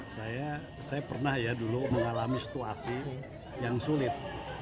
saya pernah ya dulu mengalami situasi yang sulit